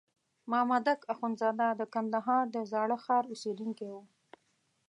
مامدک اخندزاده د کندهار د زاړه ښار اوسېدونکی وو.